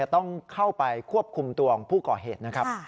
ต้องเข้าไปควบคุมตัวของผู้เกาะเหตุ